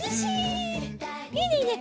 いいねいいね！